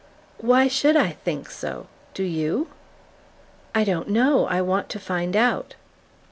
"Why should I think so? Do YOU?" "I don't know. I want to find out."